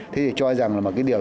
thế thì cho rằng